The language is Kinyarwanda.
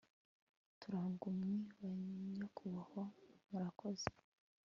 Turagumye banyakubahwa murakoze